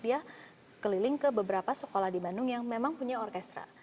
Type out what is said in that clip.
dia keliling ke beberapa sekolah di bandung yang memang punya orkestra